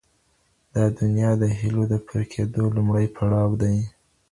دا دنیا د هیلو د پوره کېدو لومړی پړاو دی.